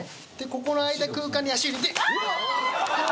この空間に足を入れて。